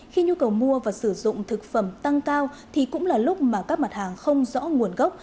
khi nhu cầu mua và sử dụng thực phẩm tăng cao thì cũng là lúc mà các mặt hàng không rõ nguồn gốc